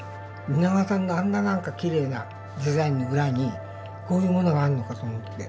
皆川さんがあんななんかきれいなデザインの裏にこういうものがあるのかと思って。